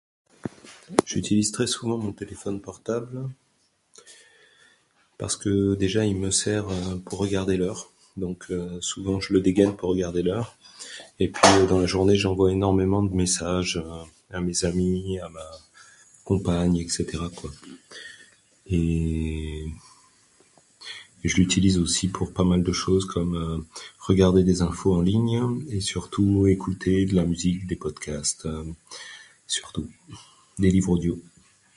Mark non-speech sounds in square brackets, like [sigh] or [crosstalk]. J'utilise très souvent mon téléphone portable, parce que déjà il me sert pour regarder l'heure, donc [hesitation] souvent je le dégaine pour regarder l'heure; Et puis dans la journée j'envoie énormément de messages, à mes amis, à ma compagne, et cetera quoi. Et... [hesitation] Et je l'utilise aussi pour pas mal de choses comme regarder des infos en ligne et surtout écouter de la musique, des podcasts [hesitation] surtout, des livres audio.